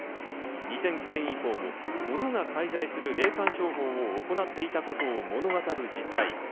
２００９年以降も物が介在する霊感商法を行っていたことを物語る実態。